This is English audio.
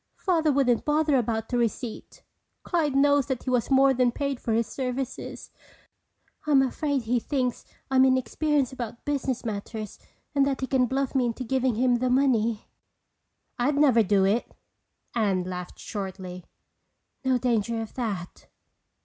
Father wouldn't bother about a receipt. Clyde knows that he was more than paid for his services. I'm afraid he thinks I'm inexperienced about business matters and that he can bluff me into giving him the money." "I'd never do it." Anne laughed shortly. "No danger of that.